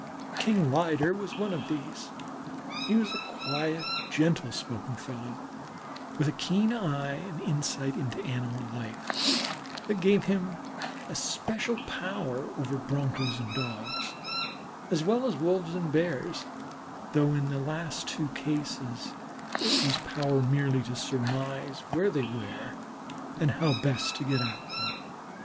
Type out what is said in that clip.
King Ryder was one of these. He was a quiet, gentlespoken fellow, with a keen eye and an insight into animal life that gave him especial power over Broncos and Dogs, as well as Wolves and Bears, though in the last two cases it was power merely to surmise where they were and how best to get at them.